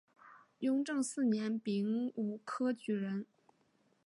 雍正四年丙午科举人。